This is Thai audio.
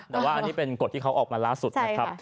แต่ว่าอันนี้เป็นกฎที่เขาออกมาล่าสุดนะครับ